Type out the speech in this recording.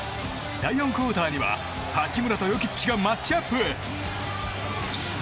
第４クオーターには八村とヨキッチがマッチアップ。